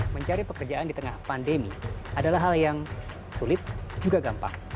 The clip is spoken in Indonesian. mencari pekerjaan di tengah pandemi adalah hal yang sulit juga gampang